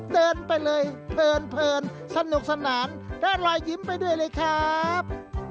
เดินไปเลยเพลินสนุกสนานได้รอยยิ้มไปด้วยเลยครับ